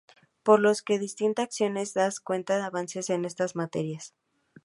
Por lo que distintas acciones dan cuenta de avances en estas materias.